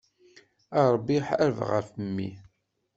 A Ṛebbi ḥareb ɣef mmi.